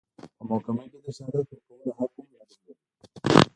په محکمه کې د شهادت ورکولو حق هم نه درلود.